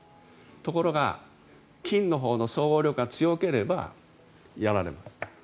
ところが菌のほうの総合力が強ければやられます。